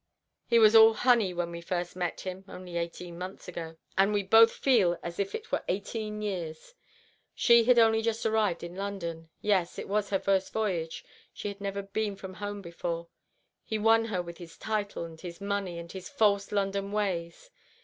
He was all honey when first we met him, only eighteen months ago, and we both feel as if it were eighteen years. She had only just arrived in London. Yes, it was her first voyage—she had never been from home before. He won her with his title and his money and his false London ways.